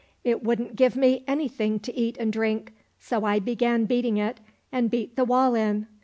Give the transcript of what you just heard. It wouldn't give me anything to eat and drink, so I began beating it, and beat the wall in.